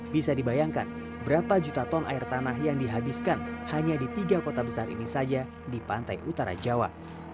bisa dibayangkan berapa juta ton air tanah yang dihabiskan hanya di tiga kota besar ini saja di pantai utara jawa